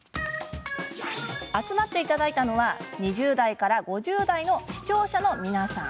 集まっていただいたのは２０代から５０代の視聴者の皆さん。